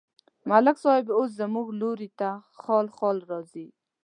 ملک صاحب اوس زموږ لوري ته خال خال راځي.